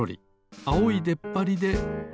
あおいでっぱりでクルリ。